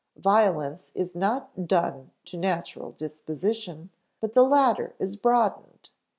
Violence is not done to natural disposition, but the latter is broadened.